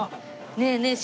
ねえねえ